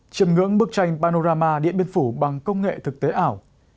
chìm ngưỡng bức tranh panorama điện biên phủ bằng công nghệ thực tế ảo